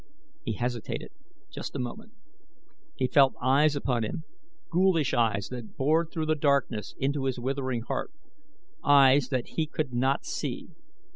He hesitated just a moment. He felt eyes upon him ghoulish eyes that bored through the darkness into his withering heart eyes that he could not see.